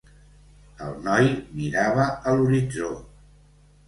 El noi mirava a l'horitzó.